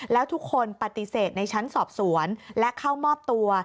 แล้วทุกคนปฏิเสธในชั้นสอบสวนและเข้ามอบตัว